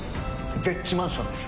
ＺＥＨマンションです。